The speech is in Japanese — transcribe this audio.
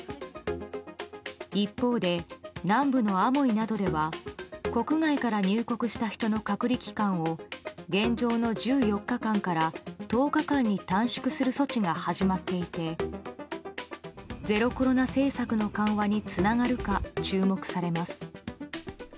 一方で南部のアモイなどでは国外から入国した人の隔離期間を現状の１４日間から１０日間に短縮する措置が始まっていてゼロコロナ政策の緩和につながるか注目されます。